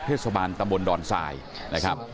เทศบาลตำบลดอนทรายนะครับ